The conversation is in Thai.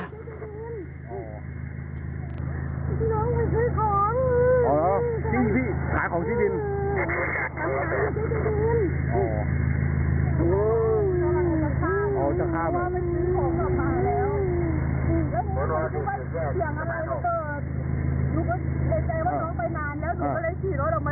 ตุ๋นแขนเขียนเขียนอะไรกับเขา